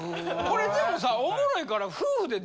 これでもさおもろいから。